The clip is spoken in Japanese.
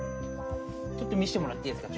ちょっと見せてもらっていいですか？